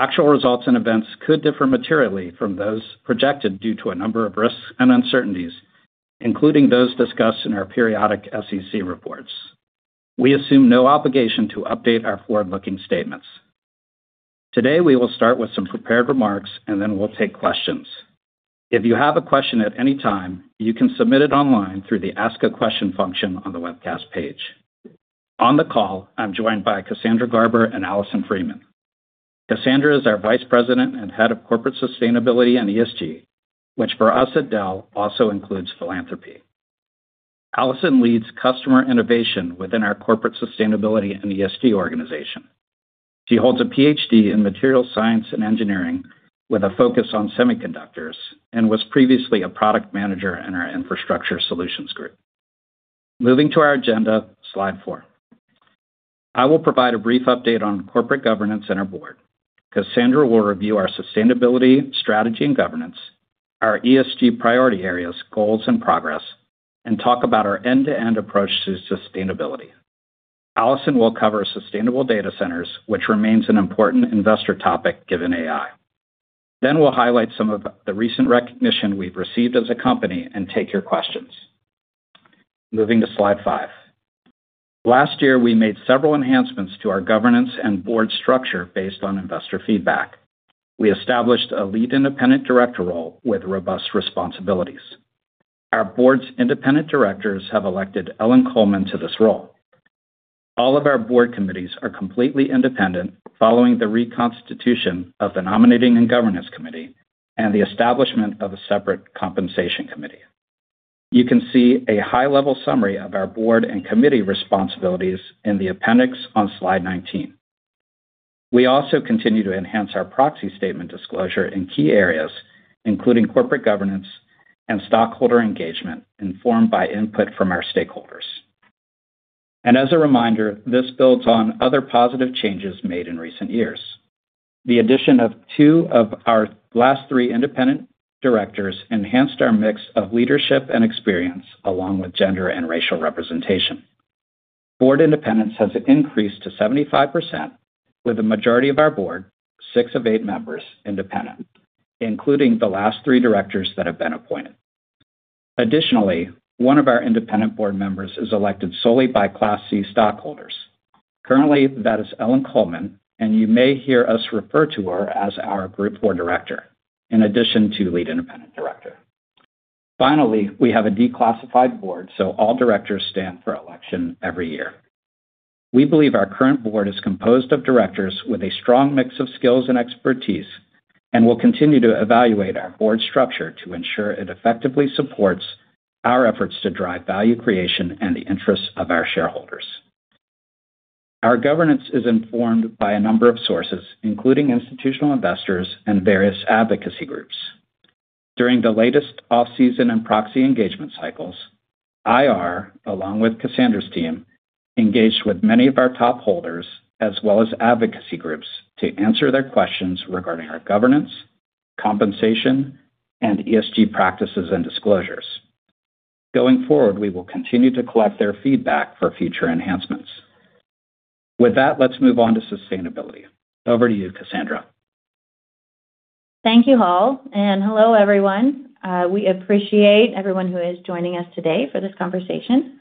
Actual results and events could differ materially from those projected due to a number of risks and uncertainties, including those discussed in our periodic SEC reports. We assume no obligation to update our forward-looking statements. Today, we will start with some prepared remarks, and then we'll take questions. If you have a question at any time, you can submit it online through the Ask a Question function on the webcast page. On the call, I'm joined by Cassandra Garber and Alison Freeman. Cassandra is our Vice President and Head of Corporate Sustainability and ESG, which for us at Dell also includes philanthropy. Alison leads customer innovation within our Corporate Sustainability and ESG organization. She holds a PhD in Materials Science and Engineering with a focus on semiconductors and was previously a product manager in our Infrastructure Solutions Group. Moving to our agenda, slide 4. I will provide a brief update on corporate governance and our board. Cassandra will review our sustainability strategy and governance, our ESG priority areas, goals, and progress, and talk about our end-to-end approach to sustainability. Alison will cover sustainable data centers, which remains an important investor topic given AI. Then we'll highlight some of the recent recognition we've received as a company and take your questions. Moving to slide 5. Last year, we made several enhancements to our governance and board structure based on investor feedback. We established a lead independent director role with robust responsibilities. Our board's independent directors have elected Ellen Kullman to this role. All of our board committees are completely independent following the reconstitution of the Nominating and Governance Committee and the establishment of a separate Compensation Committee. You can see a high-level summary of our board and committee responsibilities in the appendix on slide 19. We also continue to enhance our proxy statement disclosure in key areas, including corporate governance and stockholder engagement informed by input from our stakeholders. As a reminder, this builds on other positive changes made in recent years. The addition of 2 of our last 3 independent directors enhanced our mix of leadership and experience along with gender and racial representation. Board independence has increased to 75% with a majority of our board, 6 of 8 members, independent, including the last 3 directors that have been appointed. Additionally, one of our independent board members is elected solely by Class C Stockholders. Currently, that is Ellen Kullman, and you may hear us refer to her as our Group 4 Director in addition to Lead Independent Director. Finally, we have a declassified board, so all directors stand for election every year. We believe our current board is composed of directors with a strong mix of skills and expertise and will continue to evaluate our board structure to ensure it effectively supports our efforts to drive value creation and the interests of our shareholders. Our governance is informed by a number of sources, including institutional investors and various advocacy groups. During the latest off-season and proxy engagement cycles, IR, along with Cassandra's team, engaged with many of our top holders as well as advocacy groups to answer their questions regarding our governance, compensation, and ESG practices and disclosures. Going forward, we will continue to collect their feedback for future enhancements. With that, let's move on to sustainability. Over to you, Cassandra. Thank you all. Hello, everyone. We appreciate everyone who is joining us today for this conversation.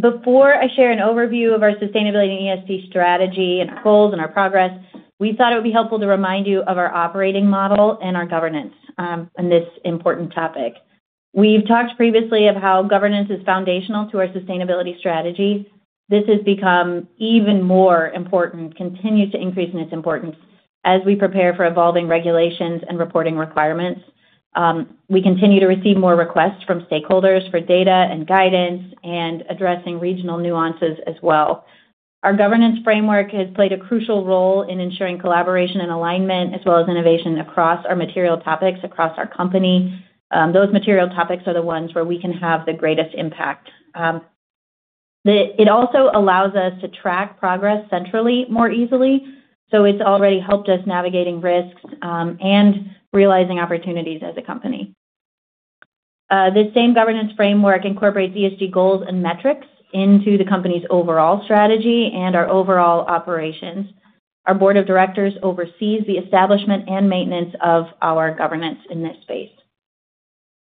Before I share an overview of our sustainability and ESG strategy and our goals and our progress, we thought it would be helpful to remind you of our operating model and our governance on this important topic. We've talked previously of how governance is foundational to our sustainability strategy. This has become even more important, continues to increase in its importance as we prepare for evolving regulations and reporting requirements. We continue to receive more requests from stakeholders for data and guidance and addressing regional nuances as well. Our governance framework has played a crucial role in ensuring collaboration and alignment as well as innovation across our material topics across our company. Those material topics are the ones where we can have the greatest impact. It also allows us to track progress centrally more easily, so it's already helped us navigating risks and realizing opportunities as a company. The same governance framework incorporates ESG goals and metrics into the company's overall strategy and our overall operations. Our board of directors oversees the establishment and maintenance of our governance in this space.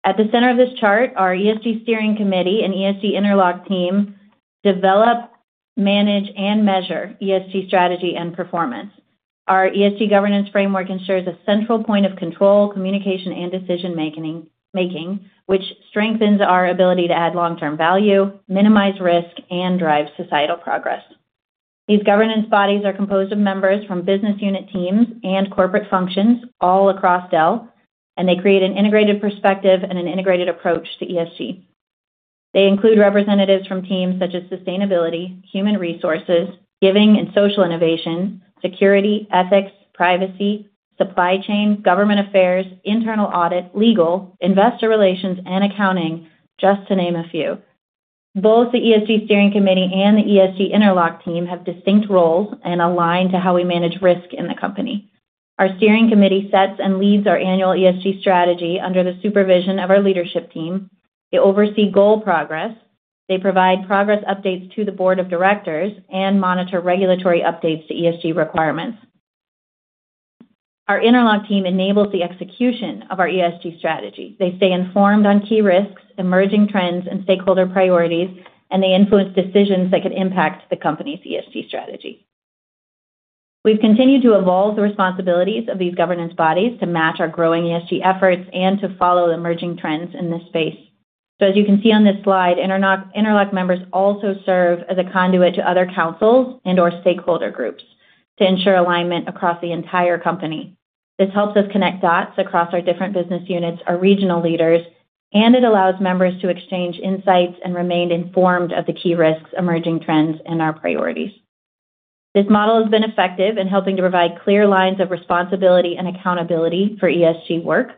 At the center of this chart, our ESG steering committee and ESG interlock team develop, manage, and measure ESG strategy and performance. Our ESG governance framework ensures a central point of control, communication, and decision-making, which strengthens our ability to add long-term value, minimize risk, and drive societal progress. These governance bodies are composed of members from business unit teams and corporate functions all across Dell, and they create an integrated perspective and an integrated approach to ESG. They include representatives from teams such as sustainability, human resources, giving and social innovation, security, ethics, privacy, supply chain, government affairs, internal audit, legal, investor relations, and accounting, just to name a few. Both the ESG steering committee and the ESG interlock team have distinct roles and align to how we manage risk in the company. Our steering committee sets and leads our annual ESG strategy under the supervision of our leadership team. They oversee goal progress. They provide progress updates to the board of directors and monitor regulatory updates to ESG requirements. Our interlock team enables the execution of our ESG strategy. They stay informed on key risks, emerging trends, and stakeholder priorities, and they influence decisions that could impact the company's ESG strategy. We've continued to evolve the responsibilities of these governance bodies to match our growing ESG efforts and to follow emerging trends in this space. So, as you can see on this slide, interlock members also serve as a conduit to other councils and/or stakeholder groups to ensure alignment across the entire company. This helps us connect dots across our different business units, our regional leaders, and it allows members to exchange insights and remain informed of the key risks, emerging trends, and our priorities. This model has been effective in helping to provide clear lines of responsibility and accountability for ESG work.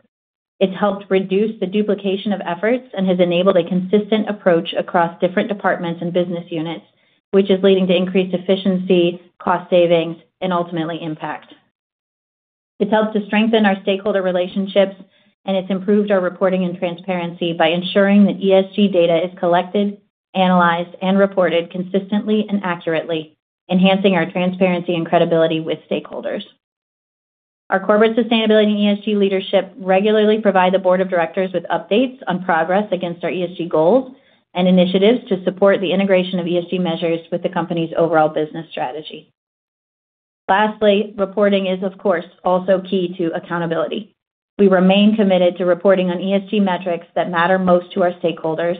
It's helped reduce the duplication of efforts and has enabled a consistent approach across different departments and business units, which is leading to increased efficiency, cost savings, and ultimately impact. It's helped to strengthen our stakeholder relationships, and it's improved our reporting and transparency by ensuring that ESG data is collected, analyzed, and reported consistently and accurately, enhancing our transparency and credibility with stakeholders. Our corporate sustainability and ESG leadership regularly provide the board of directors with updates on progress against our ESG goals and initiatives to support the integration of ESG measures with the company's overall business strategy. Lastly, reporting is, of course, also key to accountability. We remain committed to reporting on ESG metrics that matter most to our stakeholders,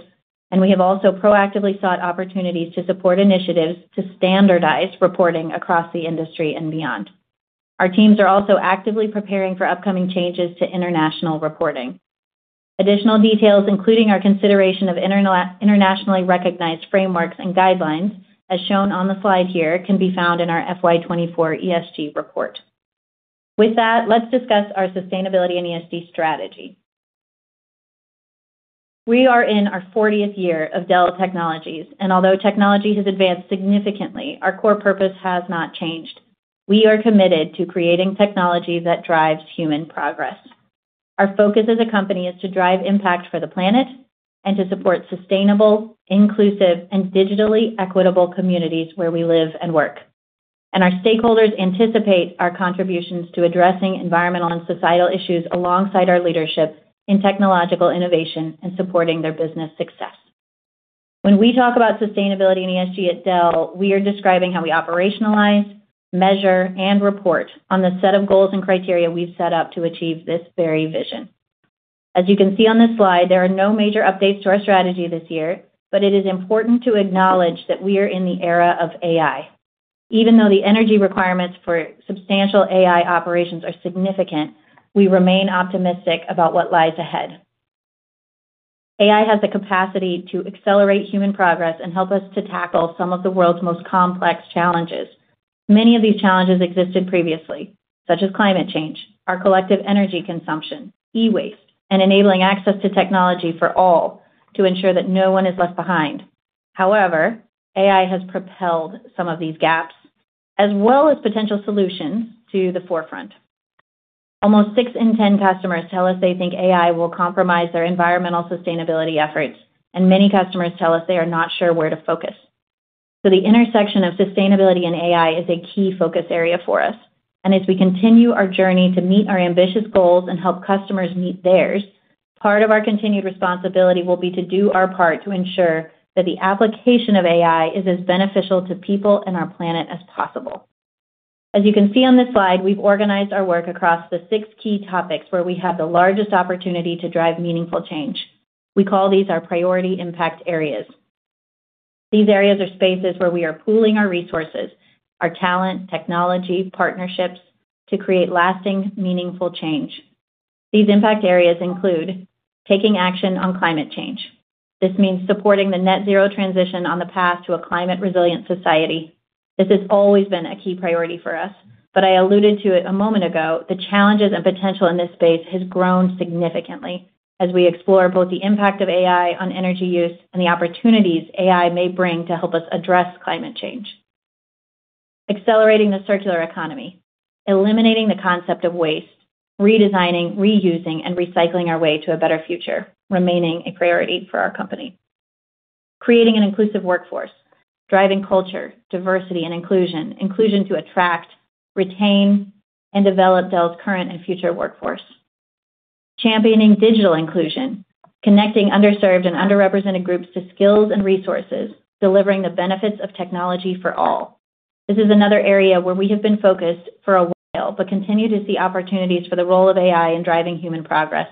and we have also proactively sought opportunities to support initiatives to standardize reporting across the industry and beyond. Our teams are also actively preparing for upcoming changes to international reporting. Additional details, including our consideration of internationally recognized frameworks and guidelines, as shown on the slide here, can be found in our FY24 ESG report. With that, let's discuss our sustainability and ESG strategy. We are in our 40th year of Dell Technologies, and although technology has advanced significantly, our core purpose has not changed. We are committed to creating technology that drives human progress. Our focus as a company is to drive impact for the planet and to support sustainable, inclusive, and digitally equitable communities where we live and work. Our stakeholders anticipate our contributions to addressing environmental and societal issues alongside our leadership in technological innovation and supporting their business success. When we talk about sustainability and ESG at Dell, we are describing how we operationalize, measure, and report on the set of goals and criteria we've set up to achieve this very vision. As you can see on this slide, there are no major updates to our strategy this year, but it is important to acknowledge that we are in the era of AI. Even though the energy requirements for substantial AI operations are significant, we remain optimistic about what lies ahead. AI has the capacity to accelerate human progress and help us to tackle some of the world's most complex challenges. Many of these challenges existed previously, such as climate change, our collective energy consumption, e-waste, and enabling access to technology for all to ensure that no one is left behind. However, AI has propelled some of these gaps as well as potential solutions to the forefront. Almost 6 in 10 customers tell us they think AI will compromise their environmental sustainability efforts, and many customers tell us they are not sure where to focus. The intersection of sustainability and AI is a key focus area for us. As we continue our journey to meet our ambitious goals and help customers meet theirs, part of our continued responsibility will be to do our part to ensure that the application of AI is as beneficial to people and our planet as possible. As you can see on this slide, we've organized our work across the six key topics where we have the largest opportunity to drive meaningful change. We call these our priority impact areas. These areas are spaces where we are pooling our resources, our talent, technology, partnerships to create lasting, meaningful change. These impact areas include taking action on climate change. This means supporting the Net-Zero transition on the path to a climate-resilient society. This has always been a key priority for us, but I alluded to it a moment ago. The challenges and potential in this space have grown significantly as we explore both the impact of AI on energy use and the opportunities AI may bring to help us address climate change. Accelerating the circular economy, eliminating the concept of waste, redesigning, reusing, and recycling our way to a better future remaining a priority for our company. Creating an inclusive workforce, driving culture, diversity, and inclusion, inclusion to attract, retain, and develop Dell's current and future workforce. Championing digital inclusion, connecting underserved and underrepresented groups to skills and resources, delivering the benefits of technology for all. This is another area where we have been focused for a while but continue to see opportunities for the role of AI in driving human progress.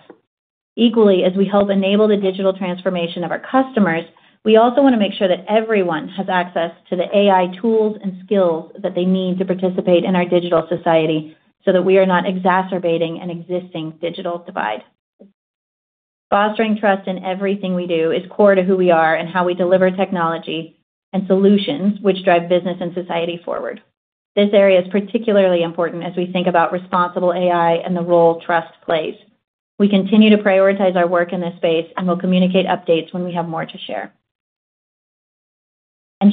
Equally, as we help enable the digital transformation of our customers, we also want to make sure that everyone has access to the AI tools and skills that they need to participate in our digital society so that we are not exacerbating an existing digital divide. Fostering trust in everything we do is core to who we are and how we deliver technology and solutions which drive business and society forward. This area is particularly important as we think about responsible AI and the role trust plays. We continue to prioritize our work in this space and will communicate updates when we have more to share.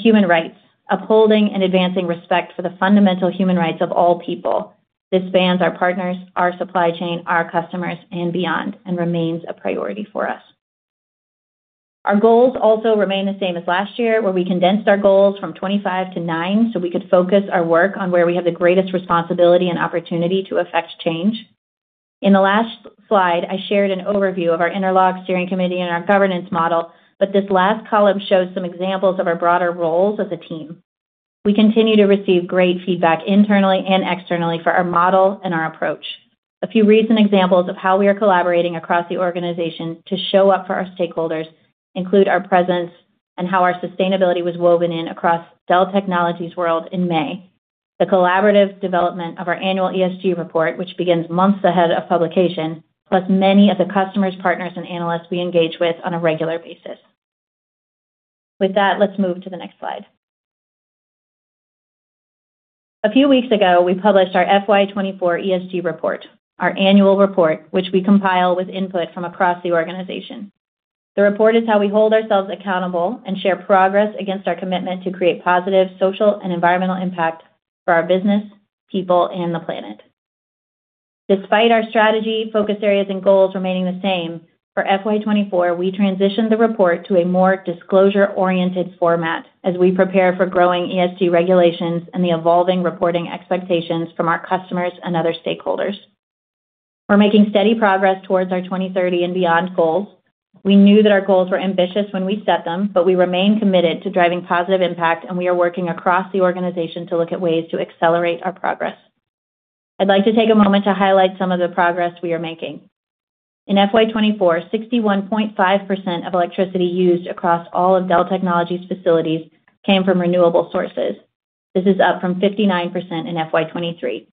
Human rights, upholding and advancing respect for the fundamental human rights of all people. This spans our partners, our supply chain, our customers, and beyond and remains a priority for us. Our goals also remain the same as last year, where we condensed our goals from 25 to 9 so we could focus our work on where we have the greatest responsibility and opportunity to affect change. In the last slide, I shared an overview of our interlock steering committee and our governance model, but this last column shows some examples of our broader roles as a team. We continue to receive great feedback internally and externally for our model and our approach. A few recent examples of how we are collaborating across the organization to show up for our stakeholders include our presence and how our sustainability was woven in across Dell Technologies World in May, the collaborative development of our annual ESG report, which begins months ahead of publication, plus many of the customers, partners, and analysts we engage with on a regular basis. With that, let's move to the next slide. A few weeks ago, we published our FY24 ESG report, our annual report, which we compile with input from across the organization. The report is how we hold ourselves accountable and share progress against our commitment to create positive social and environmental impact for our business, people, and the planet. Despite our strategy, focus areas, and goals remaining the same, for FY24, we transitioned the report to a more disclosure-oriented format as we prepare for growing ESG regulations and the evolving reporting expectations from our customers and other stakeholders. We're making steady progress towards our 2030 and beyond goals. We knew that our goals were ambitious when we set them, but we remain committed to driving positive impact, and we are working across the organization to look at ways to accelerate our progress. I'd like to take a moment to highlight some of the progress we are making. In FY24, 61.5% of electricity used across all of Dell Technologies' facilities came from renewable sources. This is up from 59% in FY23.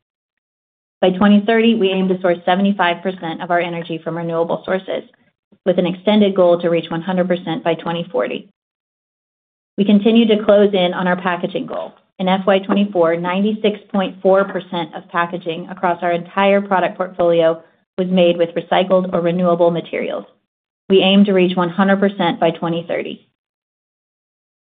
By 2030, we aim to source 75% of our energy from renewable sources, with an extended goal to reach 100% by 2040. We continue to close in on our packaging goal. In FY24, 96.4% of packaging across our entire product portfolio was made with recycled or renewable materials. We aim to reach 100% by 2030.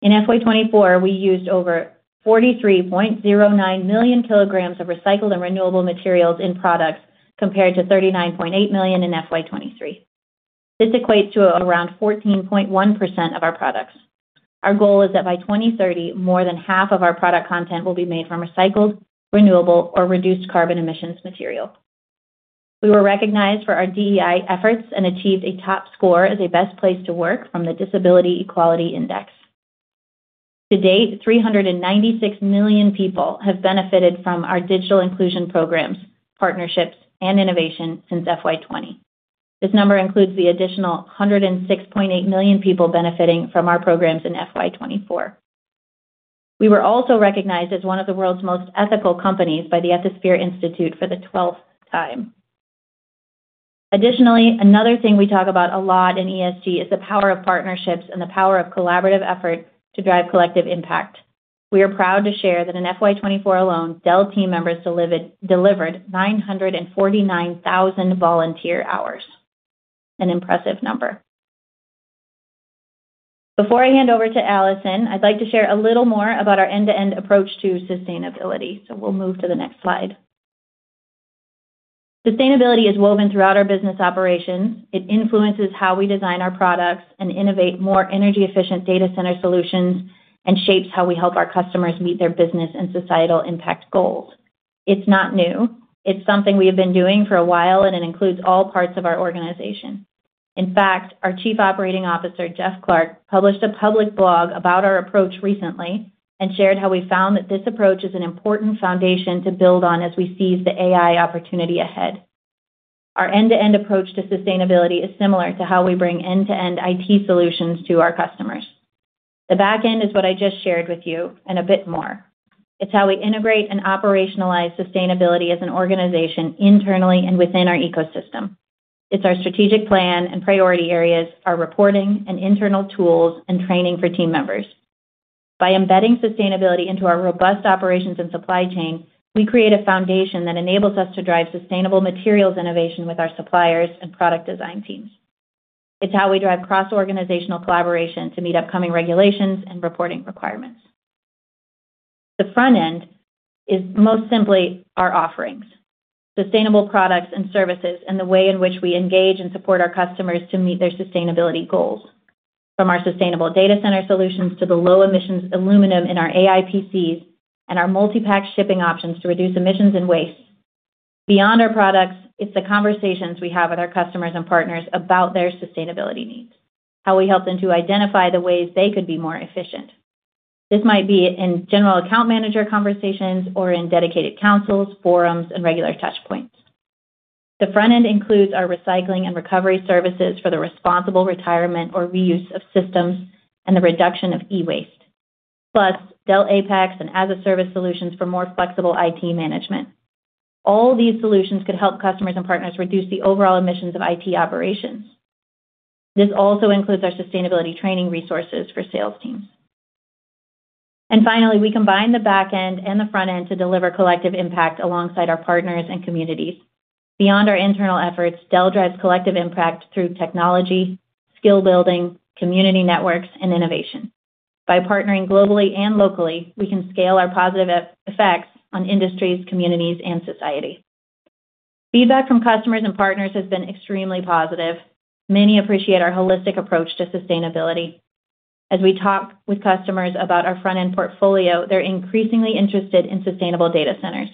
In FY24, we used over 43.09 million kilograms of recycled and renewable materials in products compared to 39.8 million in FY23. This equates to around 14.1% of our products. Our goal is that by 2030, more than half of our product content will be made from recycled, renewable, or reduced carbon emissions material. We were recognized for our DEI efforts and achieved a top score as a best place to work from the Disability Equality Index. To date, 396 million people have benefited from our digital inclusion programs, partnerships, and innovation since FY 2020. This number includes the additional 106.8 million people benefiting from our programs in FY 2024. We were also recognized as one of the world's most ethical companies by the Ethisphere Institute for the 12th time. Additionally, another thing we talk about a lot in ESG is the power of partnerships and the power of collaborative effort to drive collective impact. We are proud to share that in FY 2024 alone, Dell team members delivered 949,000 volunteer hours. An impressive number. Before I hand over to Allison, I'd like to share a little more about our end-to-end approach to sustainability. We'll move to the next slide. Sustainability is woven throughout our business operations. It influences how we design our products and innovate more energy-efficient data center solutions and shapes how we help our customers meet their business and societal impact goals. It's not new. It's something we have been doing for a while, and it includes all parts of our organization. In fact, our Chief Operating Officer, Jeff Clarke, published a public blog about our approach recently and shared how we found that this approach is an important foundation to build on as we seize the AI opportunity ahead. Our end-to-end approach to sustainability is similar to how we bring end-to-end IT solutions to our customers. The back end is what I just shared with you and a bit more. It's how we integrate and operationalize sustainability as an organization internally and within our ecosystem. It's our strategic plan and priority areas, our reporting, and internal tools and training for team members. By embedding sustainability into our robust operations and supply chain, we create a foundation that enables us to drive sustainable materials innovation with our suppliers and product design teams. It's how we drive cross-organizational collaboration to meet upcoming regulations and reporting requirements. The front end is most simply our offerings, sustainable products and services, and the way in which we engage and support our customers to meet their sustainability goals. From our sustainable data center solutions to the low-emissions aluminum in our AI PCs and our multi-pack shipping options to reduce emissions and waste. Beyond our products, it's the conversations we have with our customers and partners about their sustainability needs, how we help them to identify the ways they could be more efficient. This might be in general account manager conversations or in dedicated councils, forums, and regular touchpoints. The front end includes our recycling and recovery services for the responsible retirement or reuse of systems and the reduction of E-waste, plus Dell APEX and as-a-service solutions for more flexible IT management. All these solutions could help customers and partners reduce the overall emissions of IT operations. This also includes our sustainability training resources for sales teams. And finally, we combine the back end and the front end to deliver collective impact alongside our partners and communities. Beyond our internal efforts, Dell drives collective impact through technology, skill building, community networks, and innovation. By partnering globally and locally, we can scale our positive effects on industries, communities, and society. Feedback from customers and partners has been extremely positive. Many appreciate our holistic approach to sustainability. As we talk with customers about our front-end portfolio, they're increasingly interested in sustainable data centers.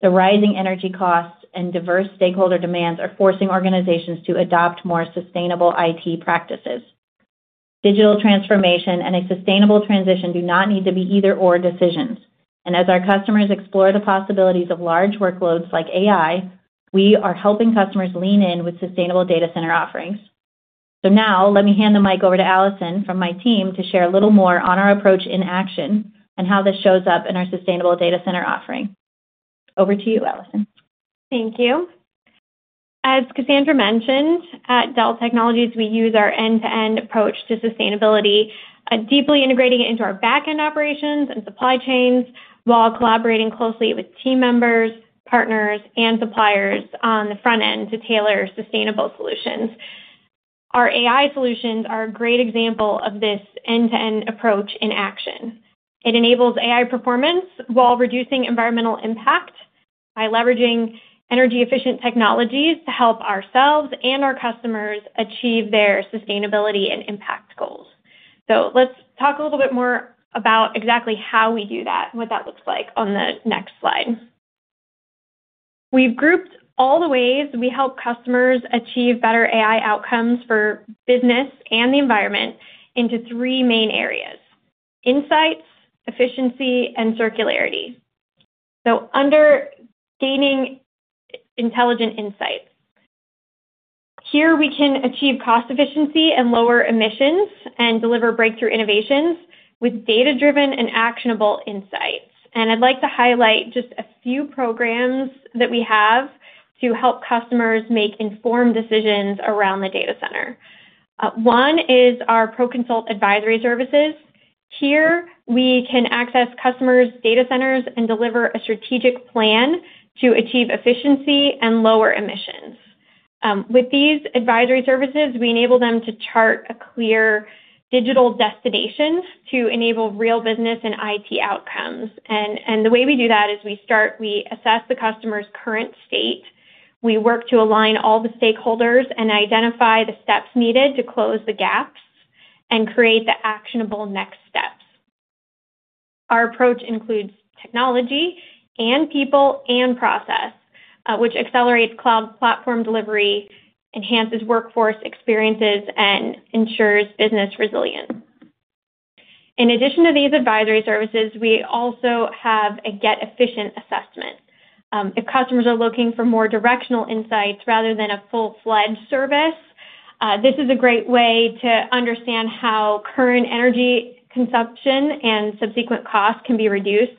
The rising energy costs and diverse stakeholder demands are forcing organizations to adopt more sustainable IT practices. Digital transformation and a sustainable transition do not need to be either/or decisions. As our customers explore the possibilities of large workloads like AI, we are helping customers lean in with sustainable data center offerings. So now, let me hand the mic over to Allison from my team to share a little more on our approach in action and how this shows up in our sustainable data center offering. Over to you, Allison. Thank you. As Cassandra mentioned, at Dell Technologies, we use our end-to-end approach to sustainability, deeply integrating it into our back-end operations and supply chains while collaborating closely with team members, partners, and suppliers on the front end to tailor sustainable solutions. Our AI solutions are a great example of this end-to-end approach in action. It enables AI performance while reducing environmental impact by leveraging energy-efficient technologies to help ourselves and our customers achieve their sustainability and impact goals. So let's talk a little bit more about exactly how we do that and what that looks like on the next slide. We've grouped all the ways we help customers achieve better AI outcomes for business and the environment into three main areas: insights, efficiency, and circularity. So under gaining intelligent insights, here we can achieve cost efficiency and lower emissions and deliver breakthrough innovations with data-driven and actionable insights. And I'd like to highlight just a few programs that we have to help customers make informed decisions around the data center. One is our ProConsult Advisory Services. Here, we can access customers' data centers and deliver a strategic plan to achieve efficiency and lower emissions. With these advisory services, we enable them to chart a clear digital destination to enable real business and IT outcomes. The way we do that is we start, we assess the customer's current state, we work to align all the stakeholders, and identify the steps needed to close the gaps and create the actionable next steps. Our approach includes technology, people, and process, which accelerates cloud platform delivery, enhances workforce experiences, and ensures business resilience. In addition to these advisory services, we also have a Get Efficient assessment. If customers are looking for more directional insights rather than a full-fledged service, this is a great way to understand how current energy consumption and subsequent costs can be reduced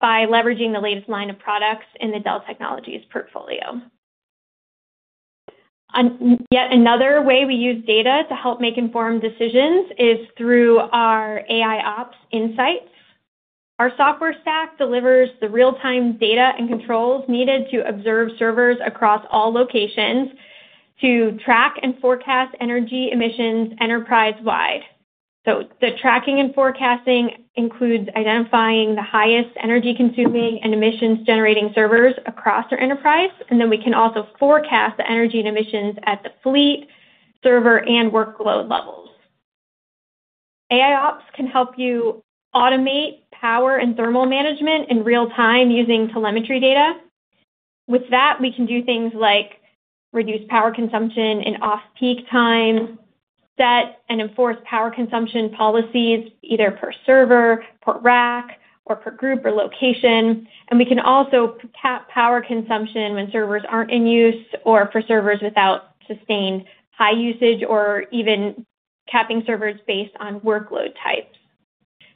by leveraging the latest line of products in the Dell Technologies portfolio. Yet another way we use data to help make informed decisions is through our AIOps Insights. Our software stack delivers the real-time data and controls needed to observe servers across all locations to track and forecast energy emissions enterprise-wide. So the tracking and forecasting includes identifying the highest energy-consuming and emissions-generating servers across our enterprise, and then we can also forecast the energy and emissions at the fleet, server, and workload levels. AIOps can help you automate power and thermal management in real time using telemetry data. With that, we can do things like reduce power consumption in off-peak times, set and enforce power consumption policies either per server, per rack, or per group or location. And we can also cap power consumption when servers aren't in use or for servers without sustained high usage or even capping servers based on workload types.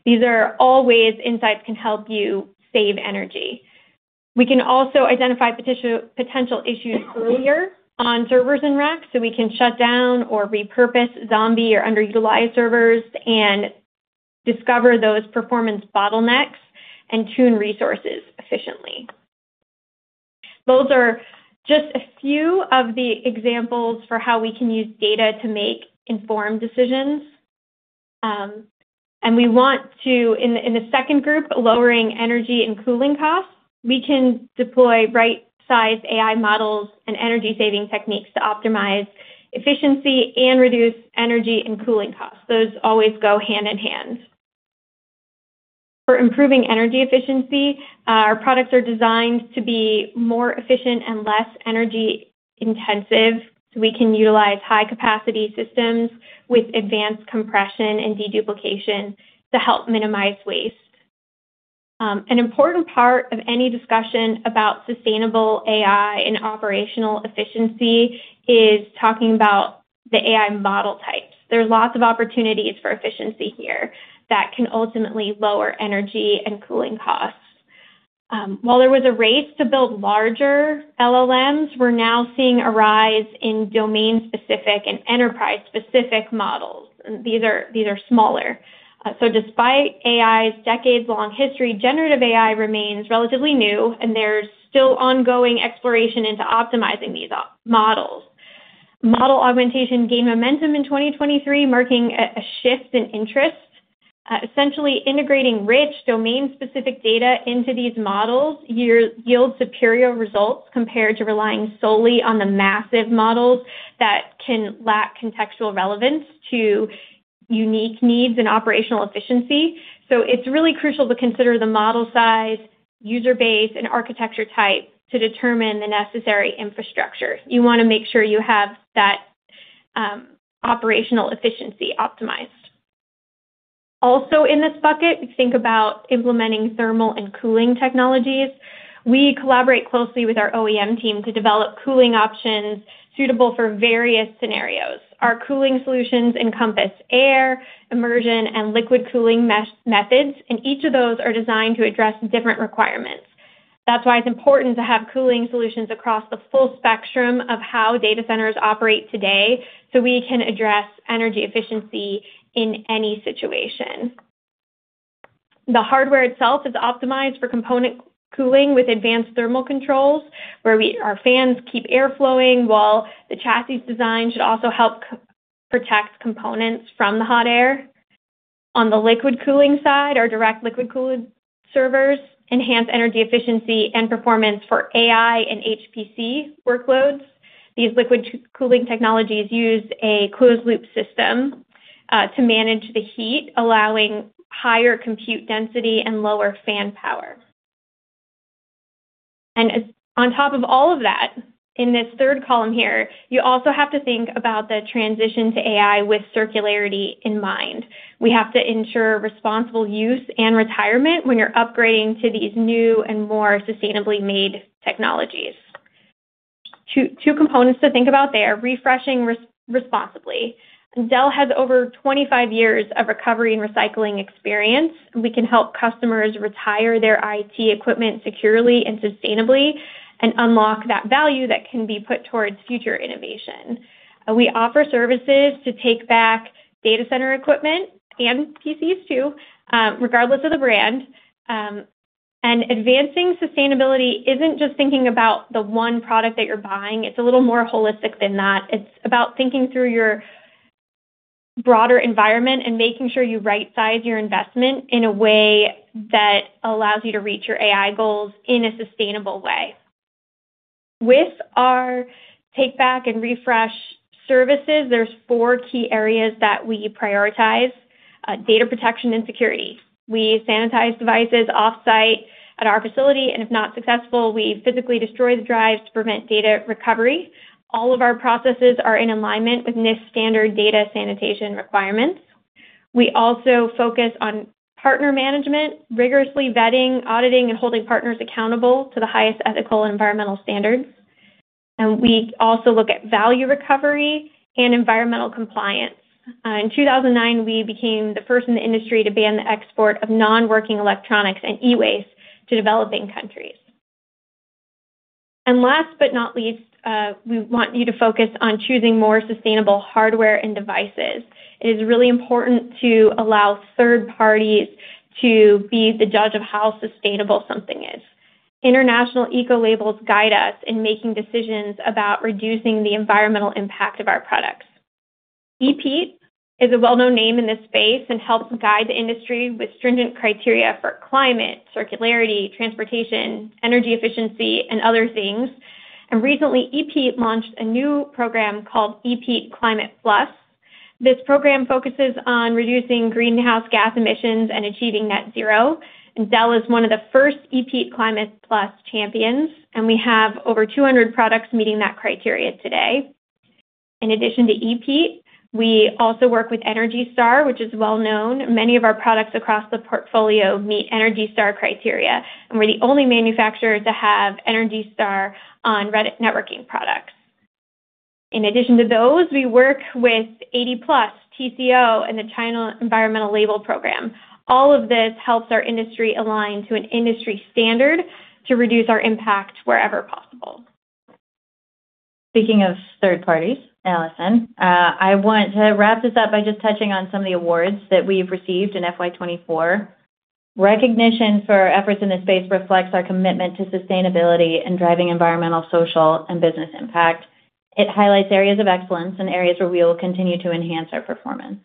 These are all ways insights can help you save energy. We can also identify potential issues earlier on servers and racks so we can shut down or repurpose Zombie or underutilized servers and discover those performance bottlenecks and tune resources efficiently. Those are just a few of the examples for how we can use data to make informed decisions. And we want to, in the second group, lowering energy and cooling costs, we can deploy right-sized AI models and energy-saving techniques to optimize efficiency and reduce energy and cooling costs. Those always go hand in hand. For improving energy efficiency, our products are designed to be more efficient and less energy-intensive so we can utilize high-capacity systems with advanced compression and deduplication to help minimize waste. An important part of any discussion about sustainable AI and operational efficiency is talking about the AI model types. There are lots of opportunities for efficiency here that can ultimately lower energy and cooling costs. While there was a race to build larger LLMs, we're now seeing a rise in domain-specific and enterprise-specific models. These are smaller. Despite AI's decades-long history, generative AI remains relatively new, and there's still ongoing exploration into optimizing these models. Model augmentation gained momentum in 2023, marking a shift in interest. Essentially, integrating rich domain-specific data into these models yields superior results compared to relying solely on the massive models that can lack contextual relevance to unique needs and operational efficiency. It's really crucial to consider the model size, user base, and architecture type to determine the necessary infrastructure. You want to make sure you have that operational efficiency optimized. Also, in this bucket, we think about implementing thermal and cooling technologies. We collaborate closely with our OEM team to develop cooling options suitable for various scenarios. Our cooling solutions encompass air, immersion, and liquid cooling methods, and each of those are designed to address different requirements. That's why it's important to have cooling solutions across the full spectrum of how data centers operate today so we can address energy efficiency in any situation. The hardware itself is optimized for component cooling with advanced thermal controls, where our fans keep air flowing while the chassis design should also help protect components from the hot air. On the liquid cooling side, our direct liquid cooled servers enhance energy efficiency and performance for AI and HPC workloads. These liquid cooling technologies use a closed-loop system to manage the heat, allowing higher compute density and lower fan power. On top of all of that, in this third column here, you also have to think about the transition to AI with circularity in mind. We have to ensure responsible use and retirement when you're upgrading to these new and more sustainably made technologies. Two components to think about there: refreshing responsibly. Dell has over 25 years of recovery and recycling experience. We can help customers retire their IT equipment securely and sustainably and unlock that value that can be put towards future innovation. We offer services to take back data center equipment and PCs too, regardless of the brand. And advancing sustainability isn't just thinking about the one product that you're buying. It's a little more holistic than that. It's about thinking through your broader environment and making sure you right-size your investment in a way that allows you to reach your AI goals in a sustainable way. With our take-back and refresh services, there's four key areas that we prioritize: data protection and security. We sanitize devices off-site at our facility, and if not successful, we physically destroy the drives to prevent data recovery. All of our processes are in alignment with NIST standard data sanitization requirements. We also focus on partner management, rigorously vetting, auditing, and holding partners accountable to the highest ethical and environmental standards. We also look at value recovery and environmental compliance. In 2009, we became the first in the industry to ban the export of non-working electronics and e-waste to developing countries. And last but not least, we want you to focus on choosing more sustainable hardware and devices. It is really important to allow third parties to be the judge of how sustainable something is. International eco labels guide us in making decisions about reducing the environmental impact of our products. EPEAT is a well-known name in this space and helps guide the industry with stringent criteria for climate, circularity, transportation, energy efficiency, and other things. Recently, EPEAT launched a new program called EPEAT Climate Plus. This program focuses on reducing greenhouse gas emissions and achieving net zero. Dell is one of the first EPEAT Climate Plus champions, and we have over 200 products meeting that criteria today. In addition to EPEAT, we also work with Energy Star, which is well-known. Many of our products across the portfolio meet Energy Star criteria, and we're the only manufacturer to have Energy Star on ready networking products. In addition to those, we work with 80 Plus, TCO, and the China Environmental Label Program. All of this helps our industry align to an industry standard to reduce our impact wherever possible. Speaking of third parties, Allison, I want to wrap this up by just touching on some of the awards that we've received in FY24. Recognition for efforts in this space reflects our commitment to sustainability and driving environmental, social, and business impact. It highlights areas of excellence and areas where we will continue to enhance our performance.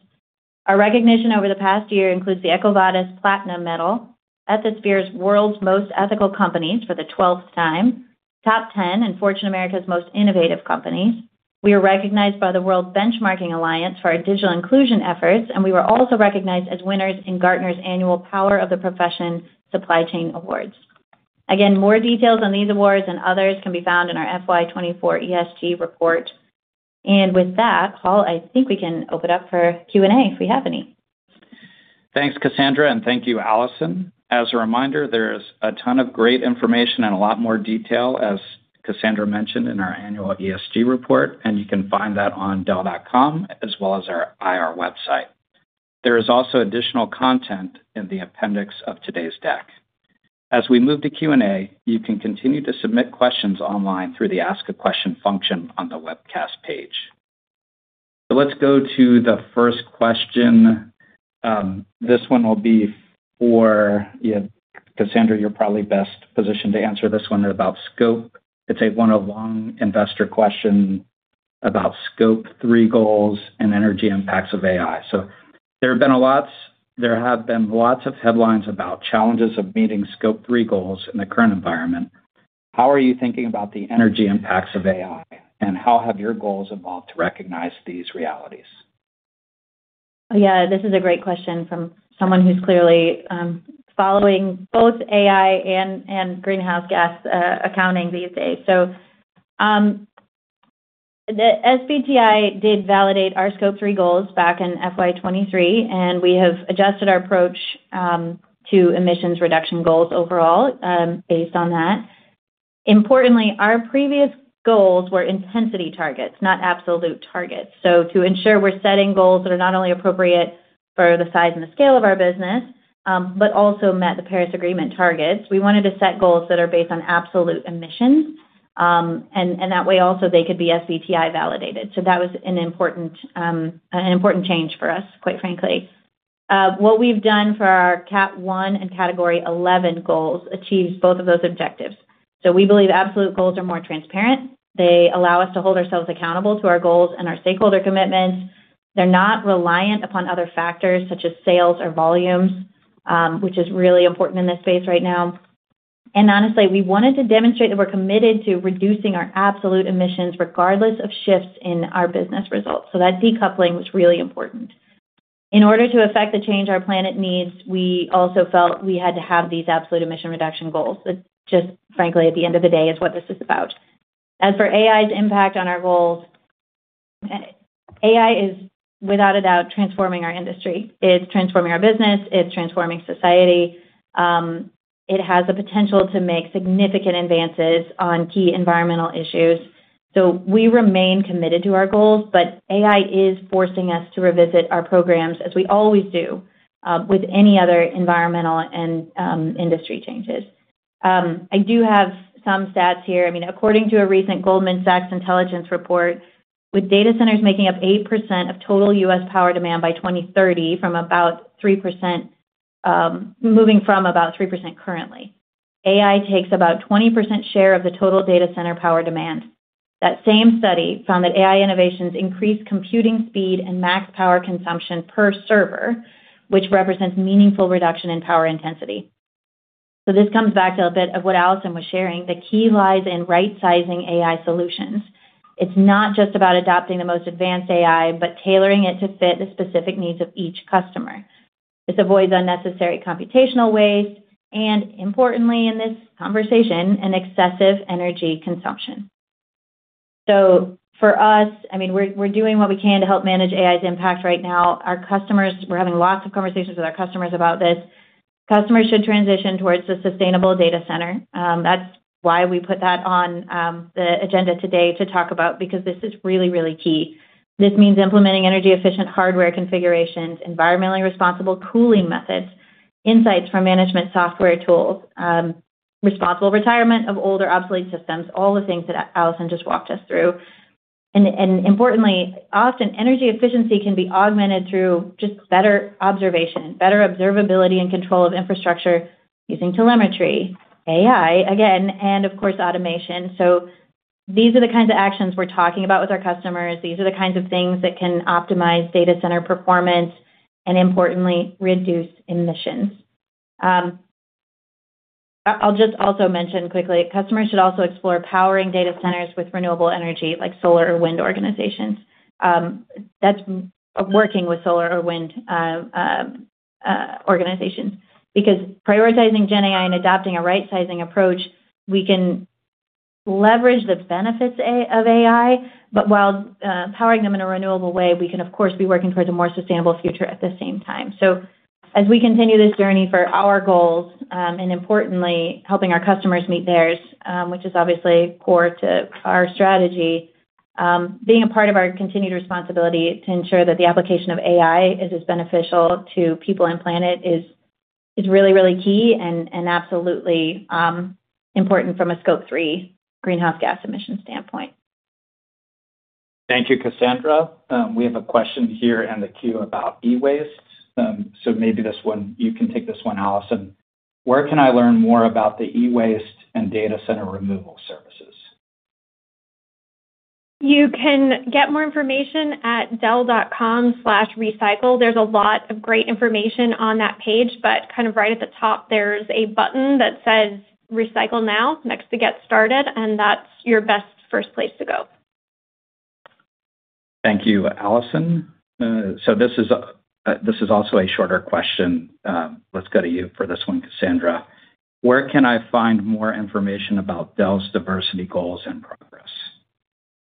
Our recognition over the past year includes the EcoVadis Platinum Medal, Ethisphere's World's Most Ethical Companies for the 12th time, Top 10, and Fortune America's Most Innovative Companies. We are recognized by the World Benchmarking Alliance for our digital inclusion efforts, and we were also recognized as winners in Gartner's Annual Power of the Profession Supply Chain Awards. Again, more details on these awards and others can be found in our FY24 ESG report. With that, Paul, I think we can open it up for Q&A if we have any. Thanks, Cassandra, and thank you, Allison. As a reminder, there is a ton of great information and a lot more detail, as Cassandra mentioned, in our annual ESG report, and you can find that on Dell.com as well as our IR website. There is also additional content in the appendix of today's deck. As we move to Q&A, you can continue to submit questions online through the Ask a Question function on the webcast page. Let's go to the first question. This one will be for Cassandra, you're probably best positioned to answer this one about Scope. It's one of the long investor questions about Scope 3 goals and energy impacts of AI. There have been lots of headlines about challenges of meeting Scope 3 goals in the current environment. How are you thinking about the energy impacts of AI, and how have your goals evolved to recognize these realities? Yeah, this is a great question from someone who's clearly following both AI and greenhouse gas accounting these days. So the SBTi did validate our Scope 3 goals back in FY23, and we have adjusted our approach to emissions reduction goals overall based on that. Importantly, our previous goals were intensity targets, not absolute targets. So to ensure we're setting goals that are not only appropriate for the size and the scale of our business, but also met the Paris Agreement targets, we wanted to set goals that are based on absolute emissions, and that way also they could be SBTi validated. So that was an important change for us, quite frankly. What we've done for our Cat 1 and Category 11 goals achieves both of those objectives. So we believe absolute goals are more transparent. They allow us to hold ourselves accountable to our goals and our stakeholder commitments. They're not reliant upon other factors such as sales or volumes, which is really important in this space right now. And honestly, we wanted to demonstrate that we're committed to reducing our absolute emissions regardless of shifts in our business results. So that decoupling was really important. In order to affect the change our planet needs, we also felt we had to have these absolute emission reduction goals. Just frankly, at the end of the day, it's what this is about. As for AI's impact on our goals, AI is without a doubt transforming our industry. It's transforming our business. It's transforming society. It has the potential to make significant advances on key environmental issues. So we remain committed to our goals, but AI is forcing us to revisit our programs, as we always do with any other environmental and industry changes. I do have some stats here. I mean, according to a recent Goldman Sachs intelligence report, with data centers making up 8% of total U.S. power demand by 2030 from about 3%, moving from about 3% currently. AI takes about 20% share of the total data center power demand. That same study found that AI innovations increased computing speed and max power consumption per server, which represents meaningful reduction in power intensity. So this comes back to a bit of what Allison was sharing. The key lies in right-sizing AI solutions. It's not just about adopting the most advanced AI, but tailoring it to fit the specific needs of each customer. This avoids unnecessary computational waste and, importantly in this conversation, an excessive energy consumption. So for us, I mean, we're doing what we can to help manage AI's impact right now. We're having lots of conversations with our customers about this. Customers should transition toward a sustainable data center. That's why we put that on the agenda today to talk about, because this is really, really key. This means implementing energy-efficient hardware configurations, environmentally responsible cooling methods, insights from management software tools, responsible retirement of old or obsolete systems, all the things that Allison just walked us through. And importantly, often energy efficiency can be augmented through just better observation, better observability and control of infrastructure using telemetry, AI, again, and of course, automation. So these are the kinds of actions we're talking about with our customers. These are the kinds of things that can optimize data center performance and, importantly, reduce emissions. I'll just also mention quickly, customers should also explore powering data centers with renewable energy like solar or wind organizations. That's working with solar or wind organizations. Because prioritizing GenAI and adopting a right-sizing approach, we can leverage the benefits of AI, but while powering them in a renewable way, we can, of course, be working towards a more sustainable future at the same time. As we continue this journey for our goals and, importantly, helping our customers meet theirs, which is obviously core to our strategy, being a part of our continued responsibility to ensure that the application of AI is as beneficial to people and planet is really, really key and absolutely important from a Scope 3 greenhouse gas emission standpoint. Thank you, Cassandra. We have a question here in the queue about e-waste. So maybe this one, you can take this one, Allison. Where can I learn more about the e-waste and data center removal services? You can get more information at Dell.com/recycle. There's a lot of great information on that page, but kind of right at the top, there's a button that says "Recycle Now" next to "Get Started," and that's your best first place to go. Thank you, Allison. So this is also a shorter question. Let's go to you for this one, Cassandra. Where can I find more information about Dell's diversity goals and progress?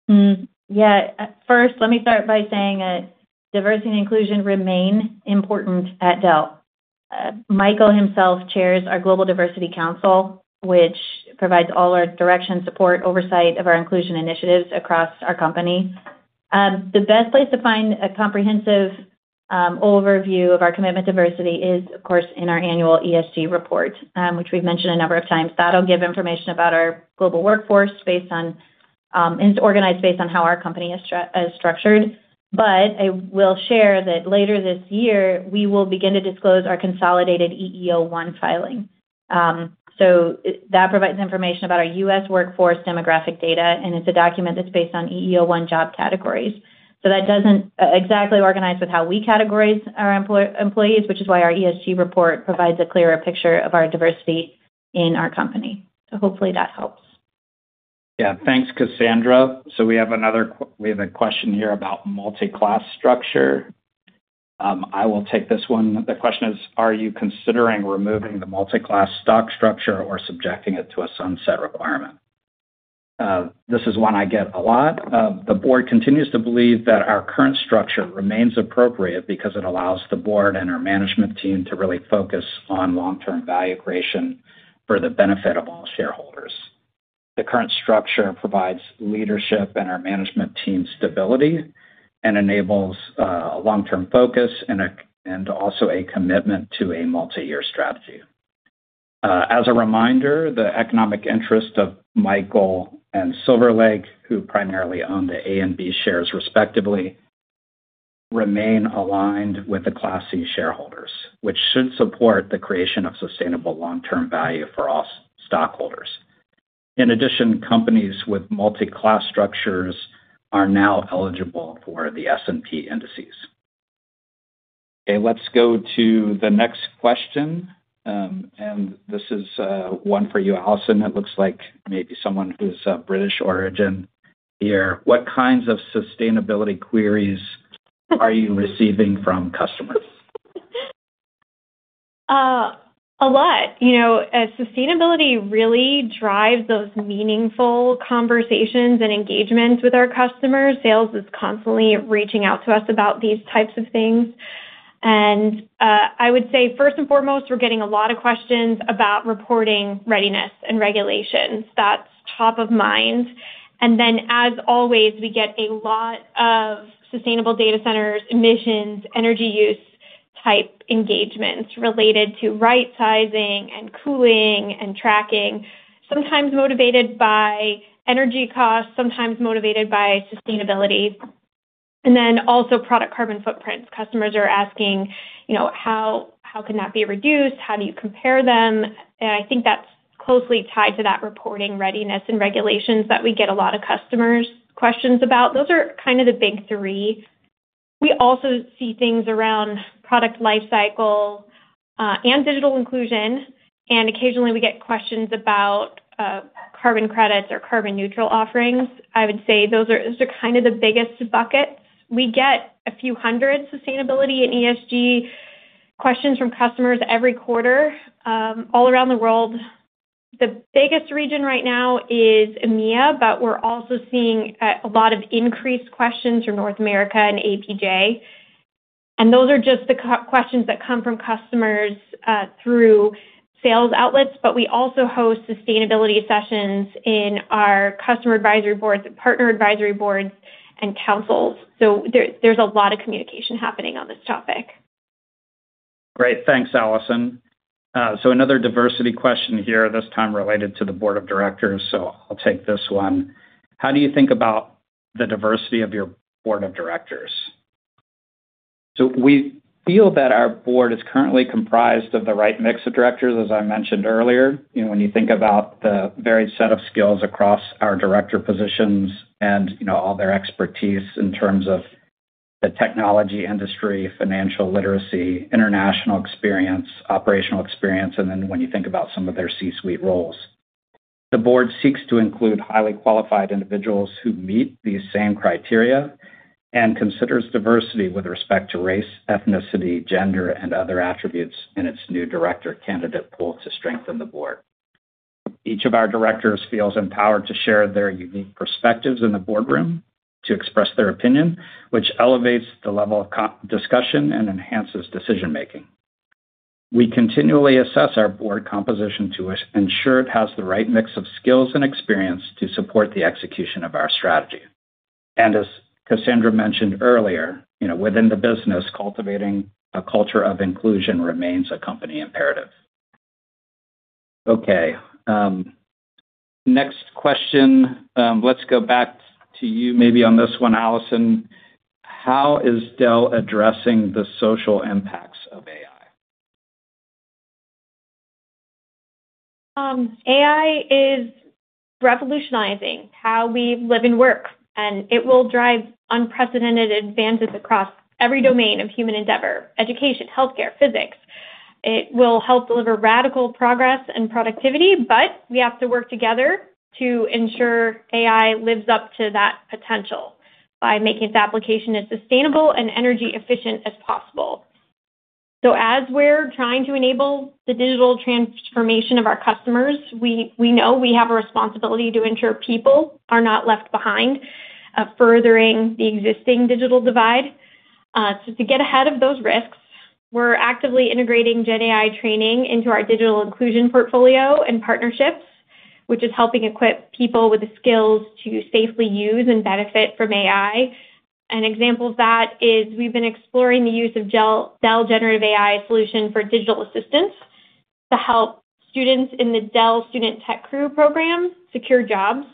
Yeah. First, let me start by saying that diversity and inclusion remain important at Dell. Michael himself chairs our Global Diversity Council, which provides all our direction, support, oversight of our inclusion initiatives across our company. The best place to find a comprehensive overview of our commitment to diversity is, of course, in our annual ESG report, which we've mentioned a number of times. That'll give information about our global workforce based on and is organized based on how our company is structured. But I will share that later this year, we will begin to disclose our consolidated EEO-1 filing. So that provides information about our U.S. workforce demographic data, and it's a document that's based on EEO-1 job categories. So that doesn't exactly organize with how we categorize our employees, which is why our ESG report provides a clearer picture of our diversity in our company. So hopefully that helps. Yeah. Thanks, Cassandra. So we have another question here about multiclass structure. I will take this one. The question is, are you considering removing the multiclass stock structure or subjecting it to a sunset requirement? This is one I get a lot. The board continues to believe that our current structure remains appropriate because it allows the board and our management team to really focus on long-term value creation for the benefit of all shareholders. The current structure provides leadership and our management team stability and enables a long-term focus and also a commitment to a multi-year strategy. As a reminder, the economic interest of Michael and Silver Lake, who primarily own the A and B shares respectively, remain aligned with the Class C shareholders, which should support the creation of sustainable long-term value for all stockholders. In addition, companies with multiclass structures are now eligible for the S&P indices. Okay. Let's go to the next question. And this is one for you, Allison. It looks like maybe someone who's of British origin here. What kinds of sustainability queries are you receiving from customers? A lot. Sustainability really drives those meaningful conversations and engagements with our customers. Sales is constantly reaching out to us about these types of things. And I would say, first and foremost, we're getting a lot of questions about reporting readiness and regulations. That's top of mind. And then, as always, we get a lot of sustainable data centers, emissions, energy use type engagements related to right-sizing and cooling and tracking, sometimes motivated by energy costs, sometimes motivated by sustainability. And then also product carbon footprints. Customers are asking, "How can that be reduced? How do you compare them?" And I think that's closely tied to that reporting readiness and regulations that we get a lot of customers' questions about. Those are kind of the big three. We also see things around product lifecycle and digital inclusion. And occasionally, we get questions about carbon credits or carbon neutral offerings. I would say those are kind of the biggest buckets. We get a few hundred sustainability and ESG questions from customers every quarter all around the world. The biggest region right now is EMEA, but we're also seeing a lot of increased questions from North America and APJ. Those are just the questions that come from customers through sales outlets, but we also host sustainability sessions in our customer advisory boards and partner advisory boards and councils. So there's a lot of communication happening on this topic. Great. Thanks, Allison. So another diversity question here, this time related to the board of directors. So I'll take this one. How do you think about the diversity of your board of directors? So we feel that our board is currently comprised of the right mix of directors, as I mentioned earlier. When you think about the varied set of skills across our director positions and all their expertise in terms of the technology industry, financial literacy, international experience, operational experience, and then when you think about some of their C-suite roles. The board seeks to include highly qualified individuals who meet these same criteria and considers diversity with respect to race, ethnicity, gender, and other attributes in its new director candidate pool to strengthen the board. Each of our directors feels empowered to share their unique perspectives in the boardroom to express their opinion, which elevates the level of discussion and enhances decision-making. We continually assess our board composition to ensure it has the right mix of skills and experience to support the execution of our strategy. As Cassandra mentioned earlier, within the business, cultivating a culture of inclusion remains a company imperative. Okay. Next question. Let's go back to you maybe on this one, Allison. How is Dell addressing the social impacts of AI? AI is revolutionizing how we live and work, and it will drive unprecedented advances across every domain of human endeavor: education, healthcare, physics. It will help deliver radical progress and productivity, but we have to work together to ensure AI lives up to that potential by making its application as sustainable and energy-efficient as possible. So as we're trying to enable the digital transformation of our customers, we know we have a responsibility to ensure people are not left behind furthering the existing digital divide. So to get ahead of those risks, we're actively integrating GenAI training into our digital inclusion portfolio and partnerships, which is helping equip people with the skills to safely use and benefit from AI. An example of that is we've been exploring the use of Dell Generative AI solution for digital assistance to help students in the Dell Student Tech Career Program secure jobs.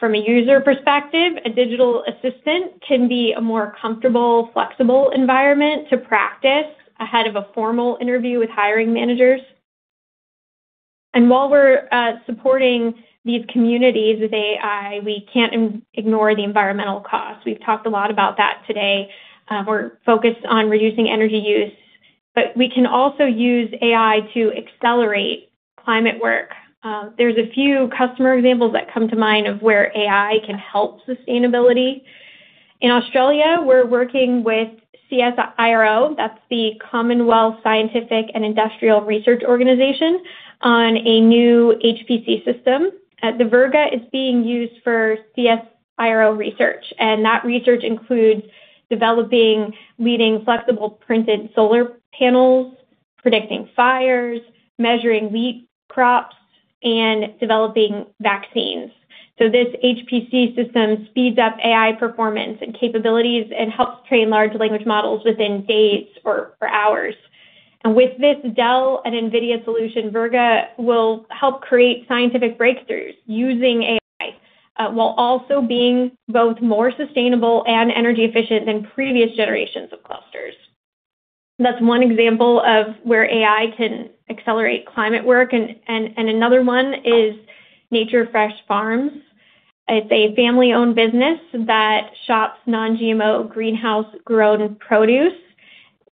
From a user perspective, a digital assistant can be a more comfortable, flexible environment to practice ahead of a formal interview with hiring managers. And while we're supporting these communities with AI, we can't ignore the environmental costs. We've talked a lot about that today. We're focused on reducing energy use, but we can also use AI to accelerate climate work. There's a few customer examples that come to mind of where AI can help sustainability. In Australia, we're working with CSIRO. That's the Commonwealth Scientific and Industrial Research Organisation on a new HPC system. At the Virga, it's being used for CSIRO research. That research includes developing leading flexible printed solar panels, predicting fires, measuring wheat crops, and developing vaccines. So this HPC system speeds up AI performance and capabilities and helps train large language models within days or hours. And with this Dell and NVIDIA solution, Virga will help create scientific breakthroughs using AI while also being both more sustainable and energy-efficient than previous generations of clusters. That's one example of where AI can accelerate climate work. And another one is Nature Fresh Farms. It's a family-owned business that ships non-GMO greenhouse-grown produce.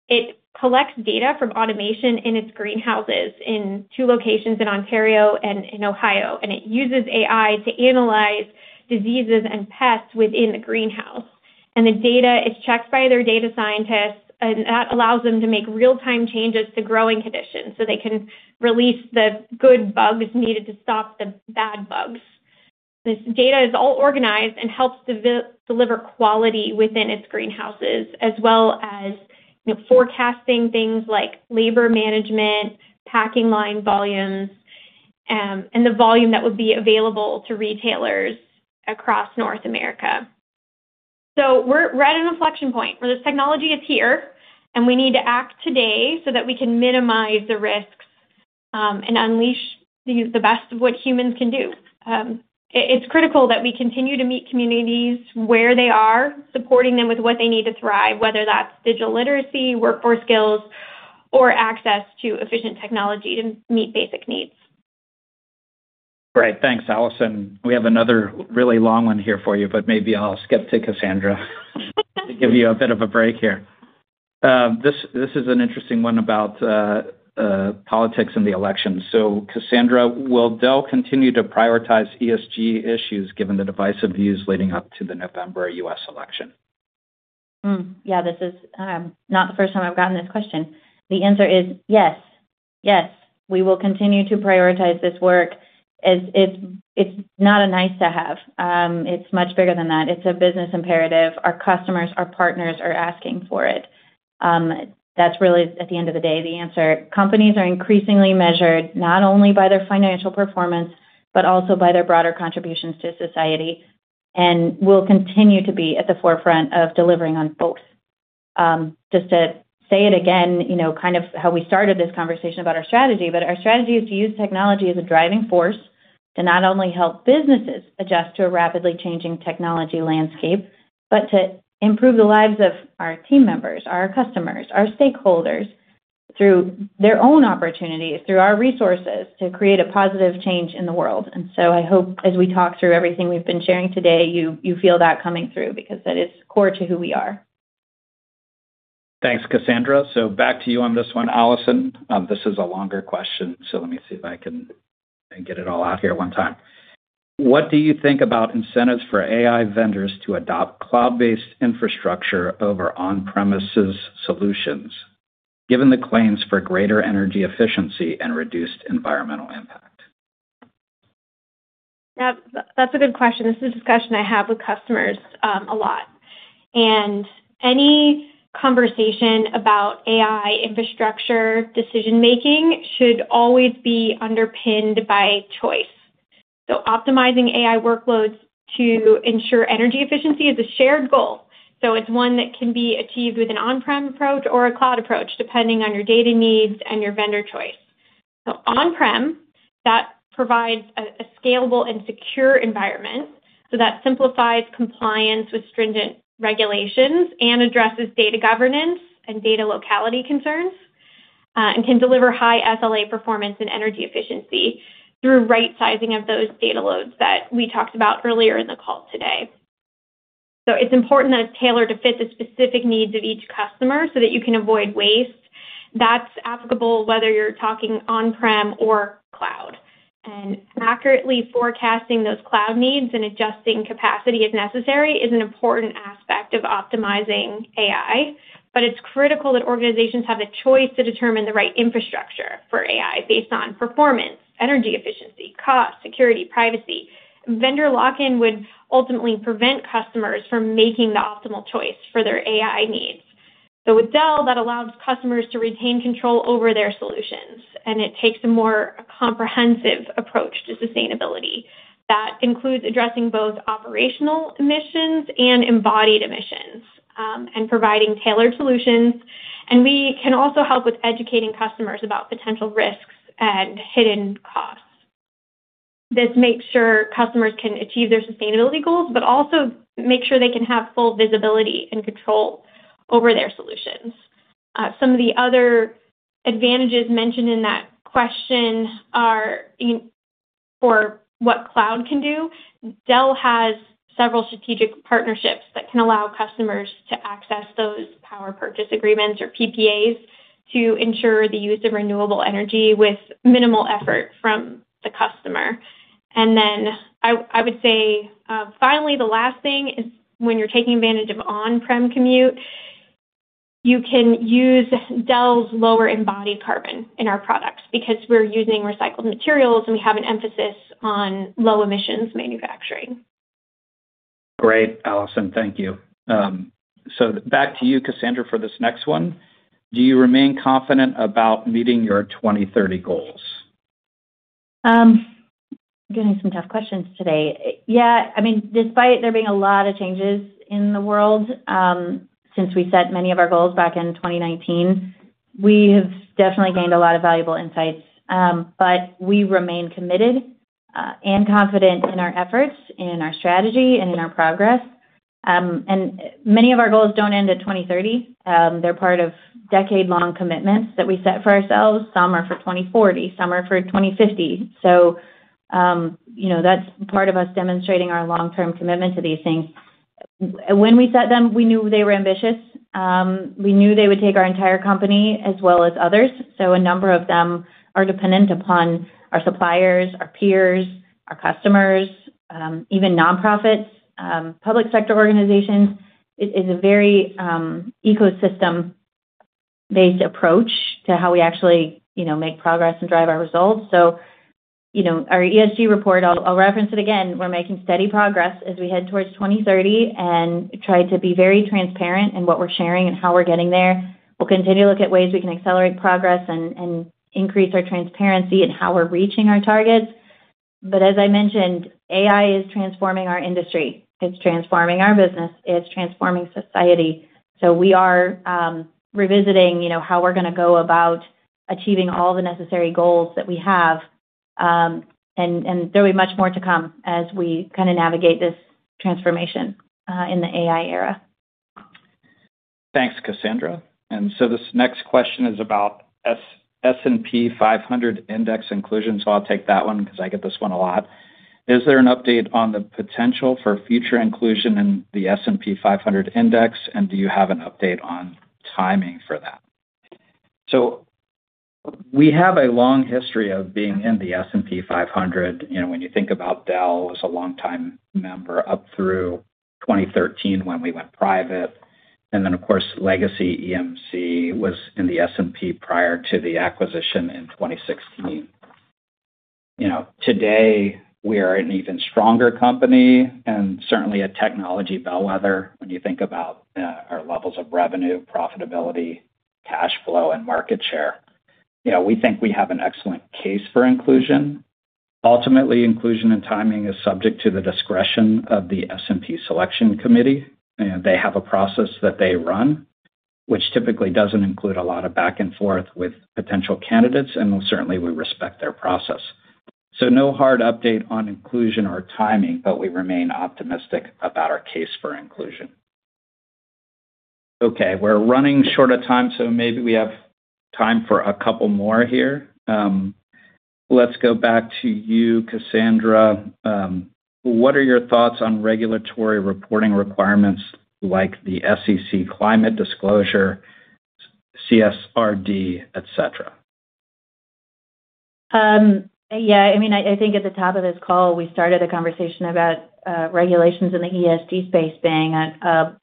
It collects data from automation in its greenhouses in two locations in Ontario and in Ohio. And it uses AI to analyze diseases and pests within the greenhouse. The data is checked by their data scientists, and that allows them to make real-time changes to growing conditions so they can release the good bugs needed to stop the bad bugs. This data is all organized and helps deliver quality within its greenhouses, as well as forecasting things like labor management, packing line volumes, and the volume that would be available to retailers across North America. We're at an inflection point where this technology is here, and we need to act today so that we can minimize the risks and unleash the best of what humans can do. It's critical that we continue to meet communities where they are, supporting them with what they need to thrive, whether that's digital literacy, workforce skills, or access to efficient technology to meet basic needs. Great. Thanks, Allison. We have another really long one here for you, but maybe I'll skip to Cassandra to give you a bit of a break here. This is an interesting one about politics and the election. So, Cassandra, will Dell continue to prioritize ESG issues given the divisive views leading up to the November U.S. election? Yeah. This is not the first time I've gotten this question. The answer is yes. Yes. We will continue to prioritize this work. It's not a nice-to-have. It's much bigger than that. It's a business imperative. Our customers, our partners are asking for it. That's really, at the end of the day, the answer. Companies are increasingly measured not only by their financial performance, but also by their broader contributions to society. We'll continue to be at the forefront of delivering on both. Just to say it again, kind of how we started this conversation about our strategy, but our strategy is to use technology as a driving force to not only help businesses adjust to a rapidly changing technology landscape, but to improve the lives of our team members, our customers, our stakeholders through their own opportunities, through our resources to create a positive change in the world. And so I hope, as we talk through everything we've been sharing today, you feel that coming through because that is core to who we are. Thanks, Cassandra. So back to you on this one, Allison. This is a longer question, so let me see if I can get it all out here at one time. What do you think about incentives for AI vendors to adopt cloud-based infrastructure over on-premises solutions, given the claims for greater energy efficiency and reduced environmental impact? That's a good question. This is a discussion I have with customers a lot. And any conversation about AI infrastructure decision-making should always be underpinned by choice. So optimizing AI workloads to ensure energy efficiency is a shared goal. So it's one that can be achieved with an on-prem approach or a cloud approach, depending on your data needs and your vendor choice. So on-prem, that provides a scalable and secure environment. So that simplifies compliance with stringent regulations and addresses data governance and data locality concerns and can deliver high SLA performance and energy efficiency through right-sizing of those data loads that we talked about earlier in the call today. So it's important that it's tailored to fit the specific needs of each customer so that you can avoid waste. That's applicable whether you're talking on-prem or cloud. Accurately forecasting those cloud needs and adjusting capacity as necessary is an important aspect of optimizing AI. But it's critical that organizations have a choice to determine the right infrastructure for AI based on performance, energy efficiency, cost, security, privacy. Vendor lock-in would ultimately prevent customers from making the optimal choice for their AI needs. So with Dell, that allows customers to retain control over their solutions. And it takes a more comprehensive approach to sustainability. That includes addressing both operational emissions and embodied emissions and providing tailored solutions. And we can also help with educating customers about potential risks and hidden costs. This makes sure customers can achieve their sustainability goals, but also make sure they can have full visibility and control over their solutions. Some of the other advantages mentioned in that question are for what cloud can do. Dell has several strategic partnerships that can allow customers to access those power purchase agreements or PPAs to ensure the use of renewable energy with minimal effort from the customer. And then I would say, finally, the last thing is when you're taking advantage of on-prem compute, you can use Dell's lower embodied carbon in our products because we're using recycled materials and we have an emphasis on low-emissions manufacturing. Great, Allison. Thank you. So back to you, Cassandra, for this next one. Do you remain confident about meeting your 2030 goals? I'm getting some tough questions today. Yeah. I mean, despite there being a lot of changes in the world since we set many of our goals back in 2019, we have definitely gained a lot of valuable insights. But we remain committed and confident in our efforts, in our strategy, and in our progress. Many of our goals don't end at 2030. They're part of decade-long commitments that we set for ourselves. Some are for 2040. Some are for 2050. That's part of us demonstrating our long-term commitment to these things. When we set them, we knew they were ambitious. We knew they would take our entire company as well as others. A number of them are dependent upon our suppliers, our peers, our customers, even nonprofits, public sector organizations. It is a very ecosystem-based approach to how we actually make progress and drive our results. Our ESG report, I'll reference it again. We're making steady progress as we head towards 2030 and try to be very transparent in what we're sharing and how we're getting there. We'll continue to look at ways we can accelerate progress and increase our transparency in how we're reaching our targets. As I mentioned, AI is transforming our industry. It's transforming our business. It's transforming society. So we are revisiting how we're going to go about achieving all the necessary goals that we have. And there'll be much more to come as we kind of navigate this transformation in the AI era. Thanks, Cassandra. And so this next question is about S&P 500 Index inclusion. So I'll take that one because I get this one a lot. Is there an update on the potential for future inclusion in the S&P 500 Index? And do you have an update on timing for that? So we have a long history of being in the S&P 500. When you think about Dell, it was a longtime member up through 2013 when we went private. And then, of course, Legacy EMC was in the S&P prior to the acquisition in 2016. Today, we are an even stronger company and certainly a technology bellwether when you think about our levels of revenue, profitability, cash flow, and market share. We think we have an excellent case for inclusion. Ultimately, inclusion and timing is subject to the discretion of the S&P Selection Committee. They have a process that they run, which typically doesn't include a lot of back and forth with potential candidates. And certainly, we respect their process. So no hard update on inclusion or timing, but we remain optimistic about our case for inclusion. Okay. We're running short of time, so maybe we have time for a couple more here. Let's go back to you, Cassandra. What are your thoughts on regulatory reporting requirements like the SEC Climate Disclosure, CSRD, etc.? Yeah. I mean, I think at the top of this call, we started a conversation about regulations in the ESG space being a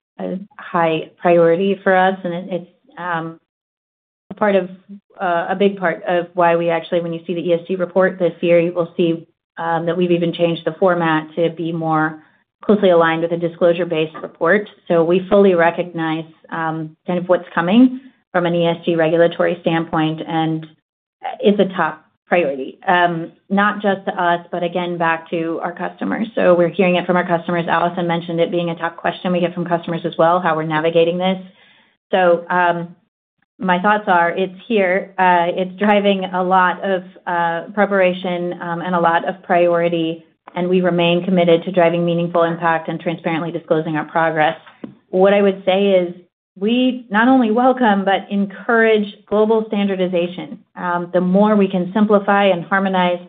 high priority for us. And it's a big part of why we actually, when you see the ESG report, there you'll see that we've even changed the format to be more closely aligned with a disclosure-based report. So we fully recognize kind of what's coming from an ESG regulatory standpoint, and it's a top priority, not just to us, but again, back to our customers. So we're hearing it from our customers. Allison mentioned it being a tough question we get from customers as well, how we're navigating this. So my thoughts are it's here. It's driving a lot of preparation and a lot of priority. And we remain committed to driving meaningful impact and transparently disclosing our progress. What I would say is we not only welcome but encourage global standardization. The more we can simplify and harmonize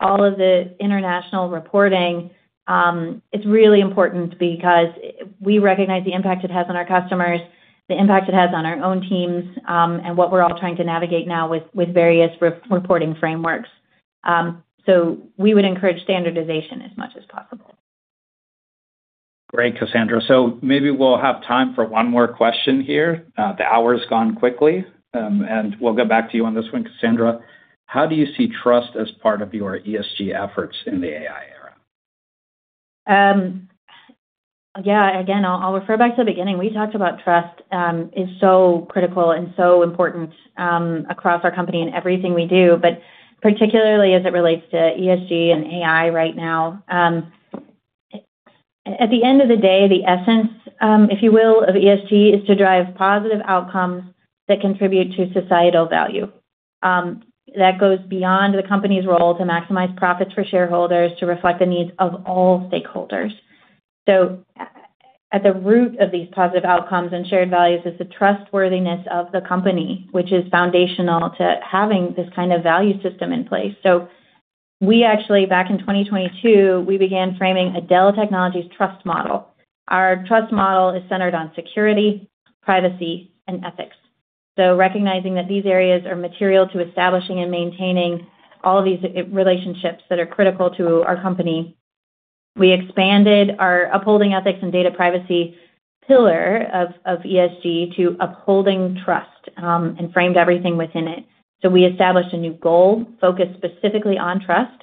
all of the international reporting, it's really important because we recognize the impact it has on our customers, the impact it has on our own teams, and what we're all trying to navigate now with various reporting frameworks. So we would encourage standardization as much as possible. Great, Cassandra. So maybe we'll have time for one more question here. The hour's gone quickly. And we'll get back to you on this one, Cassandra. How do you see trust as part of your ESG efforts in the AI era? Yeah. Again, I'll refer back to the beginning. We talked about trust. It's so critical and so important across our company and everything we do, but particularly as it relates to ESG and AI right now. At the end of the day, the essence, if you will, of ESG is to drive positive outcomes that contribute to societal value. That goes beyond the company's role to maximize profits for shareholders to reflect the needs of all stakeholders. So at the root of these positive outcomes and shared values is the trustworthiness of the company, which is foundational to having this kind of value system in place. So we actually, back in 2022, we began framing a Dell Technologies trust model. Our trust model is centered on security, privacy, and ethics. So recognizing that these areas are material to establishing and maintaining all of these relationships that are critical to our company, we expanded our upholding ethics and data privacy pillar of ESG to upholding trust and framed everything within it. So we established a new goal focused specifically on trust.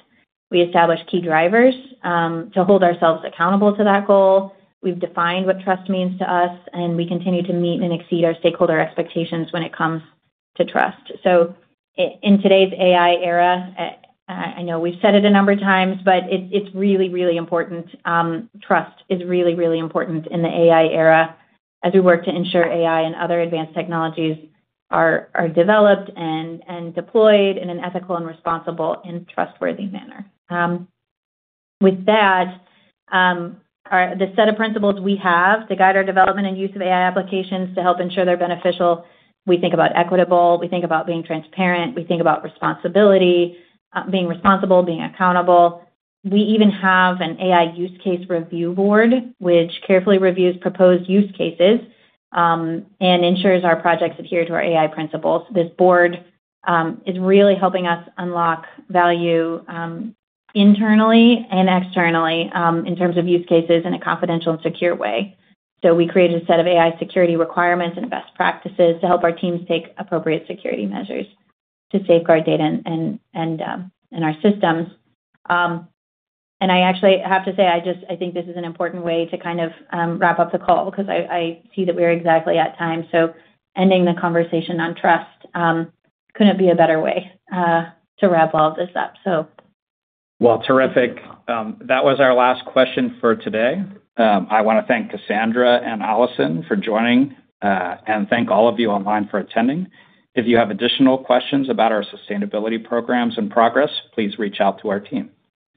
We established key drivers to hold ourselves accountable to that goal. We've defined what trust means to us, and we continue to meet and exceed our stakeholder expectations when it comes to trust. So in today's AI era, I know we've said it a number of times, but it's really, really important. Trust is really, really important in the AI era as we work to ensure AI and other advanced technologies are developed and deployed in an ethical, responsible, and trustworthy manner. With that, the set of principles we have to guide our development and use of AI applications to help ensure they're beneficial, we think about equitable. We think about being transparent. We think about responsibility, being responsible, being accountable. We even have an AI use case review board, which carefully reviews proposed use cases and ensures our projects adhere to our AI principles. This board is really helping us unlock value internally and externally in terms of use cases in a confidential and secure way. So we created a set of AI security requirements and best practices to help our teams take appropriate security measures to safeguard data and our systems. And I actually have to say, I think this is an important way to kind of wrap up the call because I see that we're exactly at time. So ending the conversation on trust couldn't be a better way to wrap all of this up, so. Well, terrific. That was our last question for today. I want to thank Cassandra and Allison for joining and thank all of you online for attending. If you have additional questions about our sustainability programs and progress, please reach out to our team.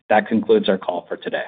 That concludes our call for today.